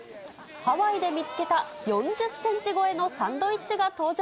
ハワイで見つけた４０センチ超えのサンドイッチが登場。